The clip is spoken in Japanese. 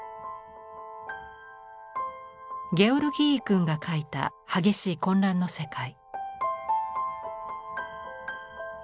ゲオルギーイ君が描いた激しい混乱の世界。